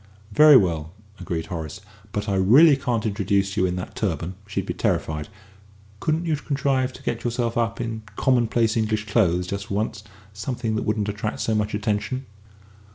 "Very well," agreed Horace; "but I really can't introduce you in that turban she'd be terrified. Couldn't you contrive to get yourself up in commonplace English clothes, just for once something that wouldn't attract so much attention?"